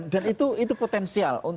dan itu potensial